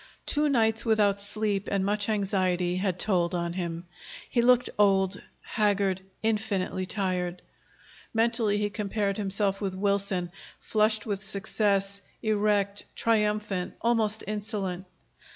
Two nights without sleep and much anxiety had told on him. He looked old, haggard; infinitely tired. Mentally he compared himself with Wilson, flushed with success, erect, triumphant, almost insolent.